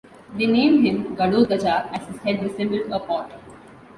They named him Ghatotkacha as his head resembled a pot.